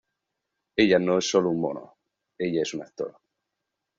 Ella no es solo un mono, ella es un actor.